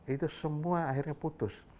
itu semua akhirnya putus